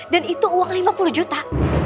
dan itu uang lima puluh juta